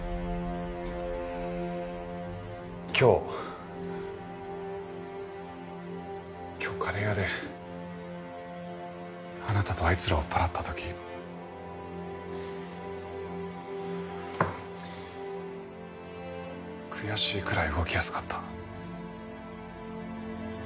今日今日カレー屋であなたとあいつらを追っ払った時悔しいくらい動きやすかった。